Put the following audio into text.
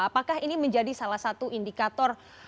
apakah ini menjadi salah satu indikator